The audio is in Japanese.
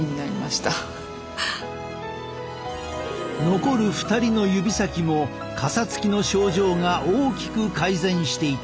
残る２人の指先もかさつきの症状が大きく改善していた。